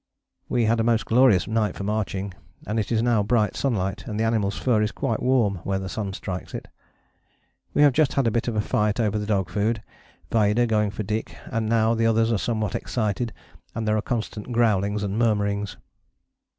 We had a most glorious night for marching, and it is now bright sunlight, and the animals' fur is quite warm where the sun strikes it. We have just had a bit of a fight over the dog food, Vaida going for Dyk, and now the others are somewhat excited, and there are constant growlings and murmurings.